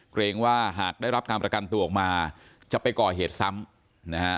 เกรงว่าหากได้รับการประกันตัวออกมาจะไปก่อเหตุซ้ำนะฮะ